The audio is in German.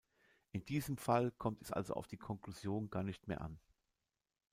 In diesem Fall kommt es also auf die Konklusion gar nicht mehr an.